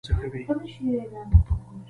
نور ژوي یواځې د بقا هڅه کوي.